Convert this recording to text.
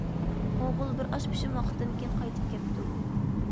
ئوغۇل بىر ئاش پىشىم ۋاقىتتىن كېيىن قايتىپ كەپتۇ.